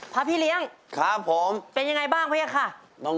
พระพี่เลี้ยงเป็นอย่างไรบ้างพระเจ้าค่ะครับผม